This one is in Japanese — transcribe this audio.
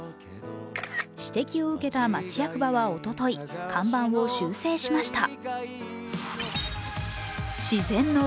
指摘を受けた町役場はおととい看板を修正しました。